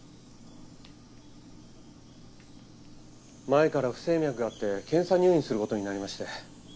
前から不整脈があって検査入院することになりまして。